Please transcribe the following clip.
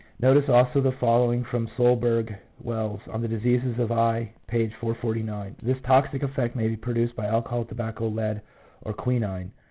Notice also the following from Soelberg Wells, On the Diseases of the Eye, p. 449: — "This toxic effect may be produced by alcohol, tobacco, lead, or quinine.